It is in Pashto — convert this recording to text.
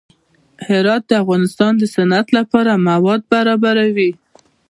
هرات د افغانستان د صنعت لپاره مواد برابروي.